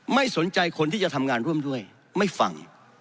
ไม่สนใจคนที่จะทำงานร่วมด้วยไม่ฟัง